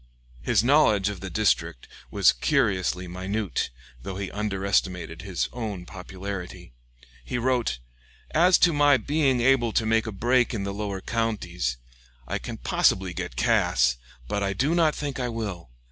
His knowledge of the district was curiously minute, though he underestimated his own popularity. He wrote: "As to my being able to make a break in the lower counties, ... I can possibly get Cass, but I do not think I will.